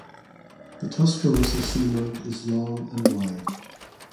The Tuscaloosa Seamount is long and wide.